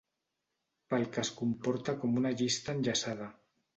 Pel que es comporta com una llista enllaçada.